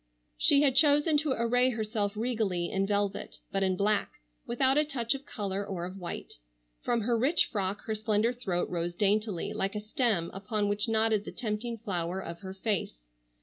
She had chosen to array herself regally, in velvet, but in black, without a touch of color or of white. From her rich frock her slender throat rose daintily, like a stem upon which nodded the tempting flower of her face.